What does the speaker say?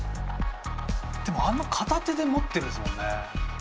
でもあんな片手で持ってるんすもんね。